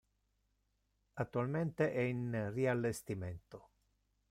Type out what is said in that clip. Attualmente è in riallestimento.